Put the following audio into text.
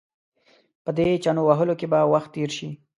په دې چنو وهلو کې به وخت تېر شي.